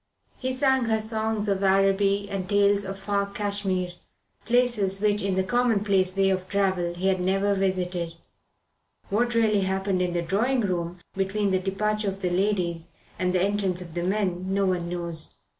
He sang her songs of Araby and tales of far Cashmere places which in the commonplace way of travel he had never visited. What really happened in the drawing room between the departure of the ladies and the entrance of the men no one knows.